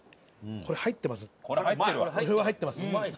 これは入ってます。